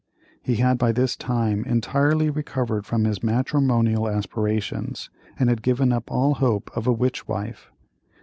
He had by this time entirely recovered from his matrimonial aspirations, and had given up all hope of a witch wife.